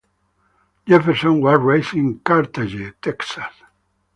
Jefferson was raised in Carthage, Texas.